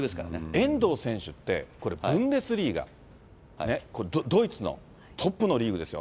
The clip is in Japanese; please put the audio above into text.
遠藤選手って、これ、ブンデスリーガ、これ、ドイツのトップのリーグですよ。